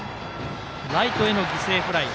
ライトへの犠牲フライ。